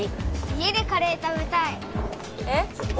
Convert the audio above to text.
家でカレー食べたいえっ？